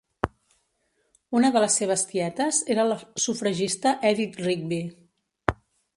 Una de les seves tietes era la sufragista Edith Rigby.